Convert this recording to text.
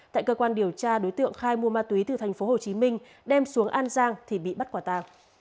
tại cơ quan điều tra đối tượng khai mua ma túy từ tp hcm đem xuống an giang thì bị bắt quả tàng